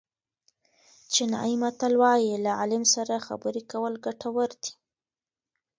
چینایي متل وایي له عالم سره خبرې کول ګټور دي.